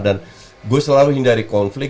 dan saya selalu hindari konflik